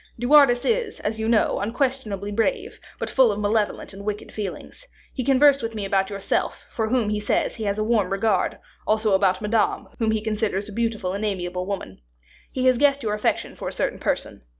De Wardes is, as you know, unquestionably brave, but full of malevolent and wicked feelings. He conversed with me about yourself, for whom, he says, he has a warm regard, also about Madame, whom he considers a beautiful and amiable woman. He has guessed your affection for a certain person.